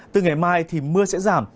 từ ngày mai thì mưa sẽ giảm